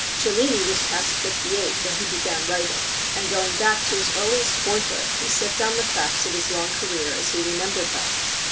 ] Cellini was past fifty eight when he began writing, and going back to his earliest boyhood, he set down the facts of his long career as he remembered them.